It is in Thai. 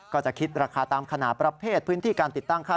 ก็จะคิดราคาตามขณะประเภทพื้นที่การติดตั้งค่า